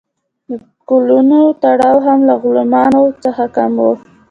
د کولونو تړاو هم له غلامانو څخه کم و.